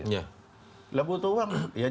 ya butuh uang